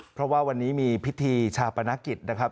เพราะว่าวันนี้มีพิธีชาปนกิจนะครับ